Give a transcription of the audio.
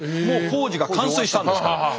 もう工事が完成したんですから。